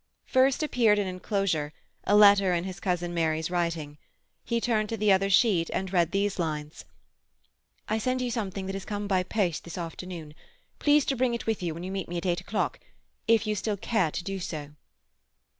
First appeared an enclosure—a letter in his cousin Mary's writing. He turned to the other sheet and read these lines,— "I send you something that has come by post this afternoon. Please to bring it with you when you meet me at eight o'clock—if you still care to do so."